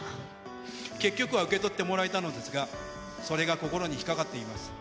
結局は受け取ってもらえたのですが、それが心に引っ掛かっています。